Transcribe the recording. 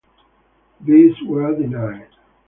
These were denied.